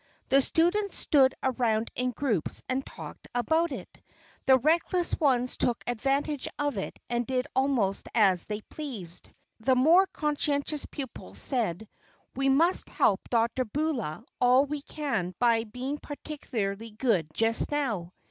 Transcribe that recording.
The students stood around in groups and talked about it. The reckless ones took advantage of it and did almost as they pleased. The more conscientious pupils said: "We must help Dr. Beulah all we can by being particularly good just now."